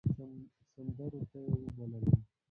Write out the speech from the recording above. سندرو ته يې وبللم .